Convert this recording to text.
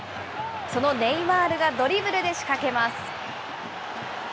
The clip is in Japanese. そのネイマールがドリブルで仕掛けます。